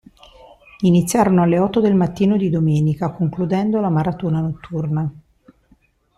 Iniziarono alle otto del mattino di domenica, concludendo la maratona notturna.